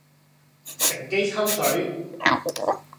乘機抽水